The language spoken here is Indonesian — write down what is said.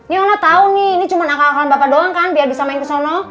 ya allah tahu nih ini cuma akal akalan bapak doang kan biar bisa main kesana